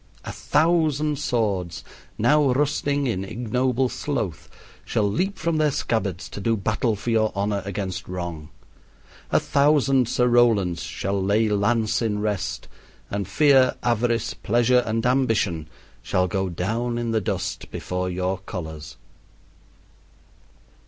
A thousand swords, now rusting in ignoble sloth, shall leap from their scabbards to do battle for your honor against wrong. A thousand Sir Rolands shall lay lance in rest, and Fear, Avarice, Pleasure, and Ambition shall go down in the dust before your colors.